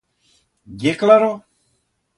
Ye claro?